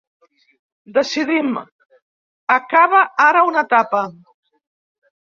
Decidim, acaba ara una etapa.